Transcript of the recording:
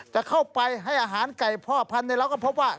จะเข้าไปให้อาหารไก่พ่อพันธุ์เราก็พบว่า